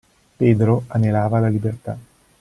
Pedro anelava alla libertà.